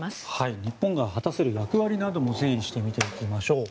日本が果たせる役割なども整理していきましょう。